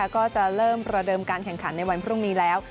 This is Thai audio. ก็จะเริ่มประเดิมการแข่งขันในวันพรุ่งนี้แล้ว